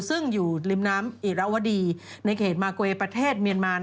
ซึ่งอยู่ริมน้ำอิราวดีในเขตมาเกยประเทศเมียนมา